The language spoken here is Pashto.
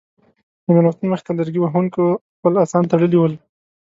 د مېلمستون مخې ته لرګي وهونکو خپل اسان تړلي ول.